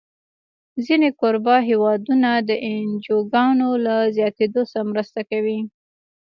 ځینې کوربه هېوادونه د انجوګانو له زیاتېدو سره مرسته کوي.